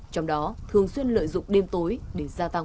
trong đó thường xuyên lợi dụng đêm tối để gia tăng